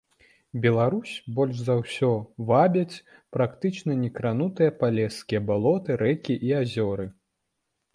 Беларусь, больш за ўсё вабяць практычна некранутыя палескія балоты, рэкі і азёры.